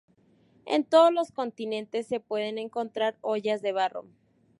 En todos los continentes se pueden encontrar ollas de barro.